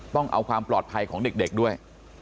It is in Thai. ต้องเอาความปลอดภัยของเด็กด้วย